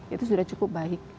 itu sudah cukup baik